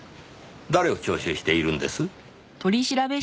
誰を聴取しているんです？